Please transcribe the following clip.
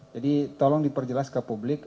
jadi tolong diperjelas ke publik